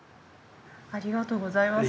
ありがとうございます。